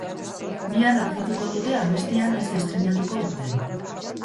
Bihar argituko dute abestia noiz estreinatuko duten.